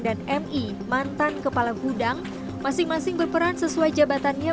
dan mi mantan kepala gudang masing masing berperan sesuai jabatannya